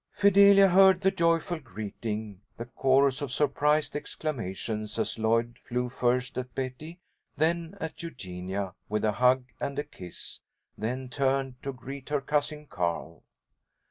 Fidelia heard the joyful greeting, the chorus of surprised exclamations as Lloyd flew first at Betty, then at Eugenia, with a hug and a kiss, then turned to greet her Cousin Carl.